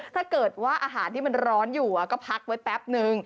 ถ้าเกิดว่าอาหารที่มันร้อนอยู่ก็พักไว้แป๊บนึง